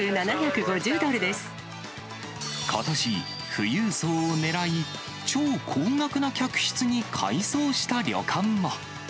ことし、富裕層を狙い、超高額な客室に改装した旅館も。